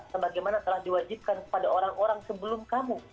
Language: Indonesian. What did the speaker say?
sebagaimana telah diwajibkan kepada orang orang sebelum kamu